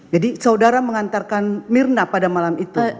jadi saudara mengantarkan mirna pada malam itu